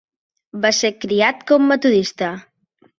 Va ser criat com metodista.